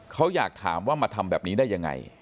เขาอยากถามว่ามาทำแบบนี้ได้ยังไง